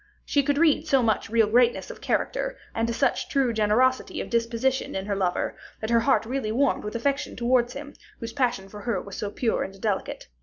She could read so much real greatness of character, and such true generosity of disposition in her lover, that her heart really warmed with affection towards him, whose passion for her was so pure and delicate.